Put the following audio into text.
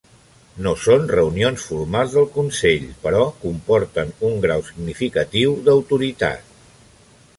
No són reunions formals del consell, però comporten un grau significatiu d'autoritat.